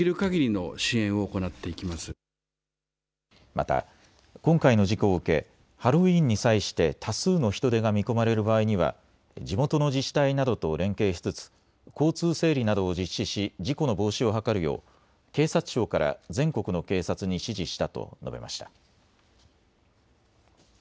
また今回の事故を受け、ハロウィーンに際して多数の人出が見込まれる場合には地元の自治体などと連携しつつ交通整理などを実施し事故の防止を図るよう警察庁から全国の警察に指示したと述べました。